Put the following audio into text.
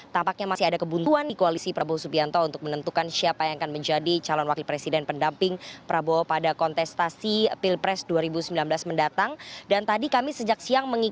tampaknya masih ada kebutuhan di koalisi prabowo subianto untuk menentukan siapa yang akan menjadi calon wakil presiden pendamping prabowo pada kontes